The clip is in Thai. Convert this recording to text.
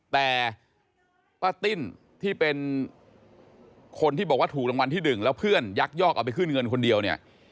แต่ป้าติ้นที่เป็นคนที่บอกว่าถูกรางวัลที่๑แล้วเพื่อนยักยอกเอาไปขึ้นเงินคนเดียวเนี่ย